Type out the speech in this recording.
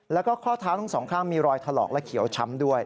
แล้วก็ข้อเท้าทั้งสองข้างมีรอยถลอกและเขียวช้ำด้วย